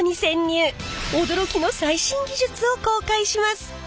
驚きの最新技術を公開します！